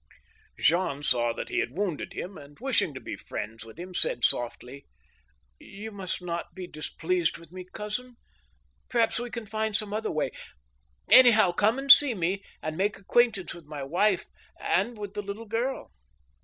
Jean saw that he had wounded him, and, wishing to be friends with him, said, softly :'* You must not be displeased with me, cousin. Perhaps we can fiad some other way. Anyhow, come and see me, and make ac quaintance with my wife and with the little girl."